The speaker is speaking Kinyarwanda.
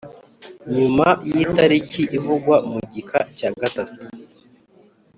nyuma yitariki ivugwa mu gika cya gatatu